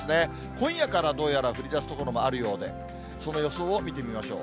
今夜からどうやら降りだす所もあるようで、その予想を見てみましょう。